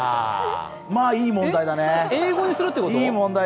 まぁ、いい問題だね。